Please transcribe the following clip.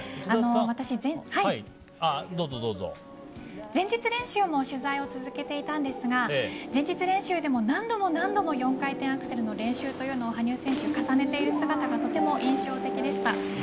私、前日練習も取材を続けていたんですが前日練習でも、何度も何度も４回転アクセルの練習というのを羽生選手が重ねている姿がとても印象的でした。